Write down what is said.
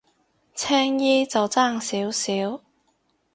青衣就爭少少